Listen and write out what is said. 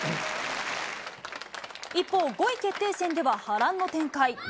一方、５位決定戦では波乱の展開。